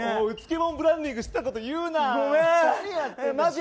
うつけものブランディングしてたこと言うな。